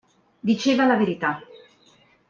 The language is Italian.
Diceva la verità.